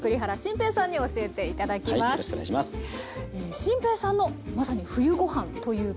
心平さんのまさに「冬ごはん」というと？